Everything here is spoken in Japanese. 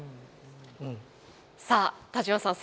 さあ田島さん